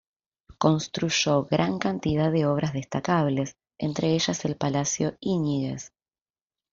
Construyó gran cantidad de obras destacables, entre ellas el Palacio Íñiguez.